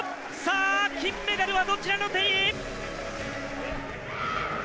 金メダルはどちらの手に？